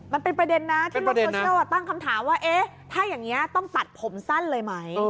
มันเป็นประเด็นนะที่โลกโซเชียลตั้งคำถามว่าเอ๊ะถ้าอย่างนี้ต้องตัดผมสั้นเลยไหม